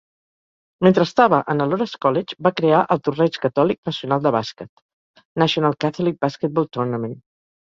Mentre estava en el Loras College, va crear el Torneig Catòlic Nacional de Bàsquet (National Catholic Basketball Tournament).